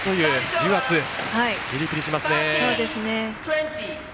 ヒリヒリしますね。